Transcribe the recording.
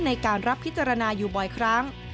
ในการรับพิจารณาอยู่บ่อยครั้ง